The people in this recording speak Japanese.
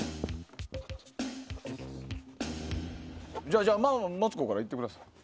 じゃあマツコから行ってください。